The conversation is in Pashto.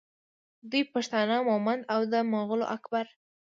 دوی پښتانه مومند او د مغول اکبر